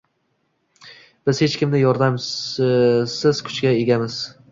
Biz hech kimning yordamisiz kuchga egamiz